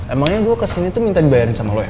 emangnya gue kesini tuh minta dibayarin sama lo ya